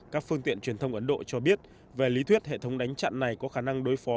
các phương tiện truyền thông ấn độ cho biết về lý thuyết hệ thống đánh chặn này có khả năng đối phó